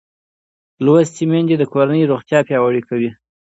لوستې میندې د کورنۍ روغتیا پیاوړې کوي